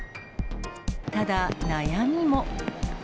ただ、悩みも。